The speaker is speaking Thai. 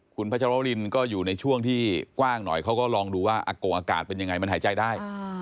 คุณพัชรวรินก็อยู่ในช่วงที่กว้างหน่อยเขาก็ลองดูว่าอากงอากาศเป็นยังไงมันหายใจได้